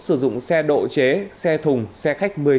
sử dụng xe độ chế xe thùng xe khách